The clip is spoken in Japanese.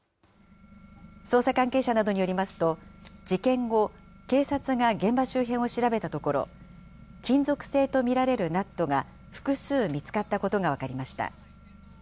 捜査関係者などによりますと、事件後、警察が現場周辺を調べたところ、金属性と見られるナットが複数見つかったことが分かりました。